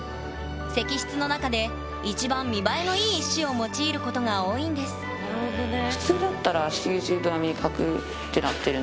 石室の中で一番見栄えのいい石を用いることが多いんですなるほどね。